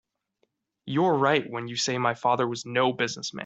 You're right when you say my father was no business man.